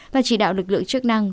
và chỉ đạo lực lượng chức năng